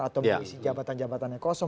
atau mengisi jabatan jabatannya kosong